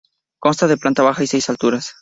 Consta de planta baja y seis alturas.